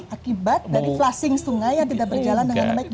akibat dari flushing sungai yang tidak berjalan dengan baik di jakarta